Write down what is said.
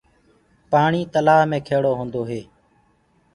پآڻي تلآه مي کيڙو هوندو هي۔